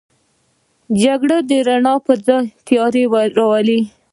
جګړه د رڼا پر ځای تیاره راولي